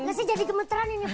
nggak sih jadi gemeteran ini po